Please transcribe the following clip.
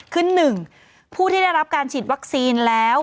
คือ๑ผู้ที่ได้รับการฉีดวัคซีนแล้ว